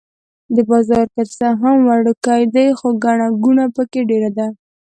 دا بازار که څه هم وړوکی دی خو ګڼه ګوڼه په کې ډېره ده.